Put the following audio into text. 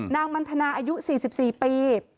นางมันทนาอายุ๔๔ปี